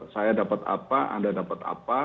saya dapat apa anda dapat apa